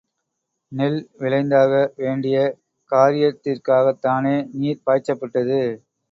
நெல் விளைந்தாக வேண்டிய காரியத்திற்காகத்தானே நீர் பாய்ச்சப்பட்டது.